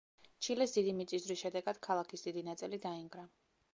ჩილეს დიდი მიწისძვრის შედეგად ქალაქის დიდი ნაწილი დაინგრა.